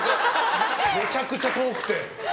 めちゃくちゃ遠くて。